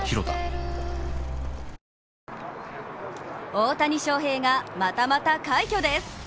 大谷翔平が、またまた快挙です。